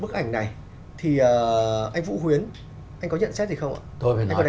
bức ảnh này thì anh vũ huyến anh có nhận xét gì không ạ anh có đánh giá gì không ạ